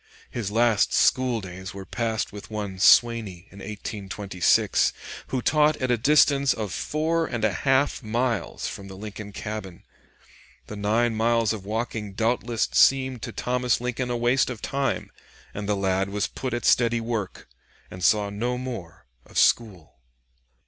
His last school days were passed with one Swaney in 1826, who taught at a distance of four and a half miles from the Lincoln cabin. The nine miles of walking doubtless seemed to Thomas Lincoln a waste of time, and the lad was put at steady work and saw no more of school.